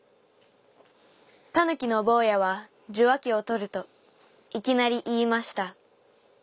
「たぬきのぼうやはじゅわきをとると、いきなりいいました。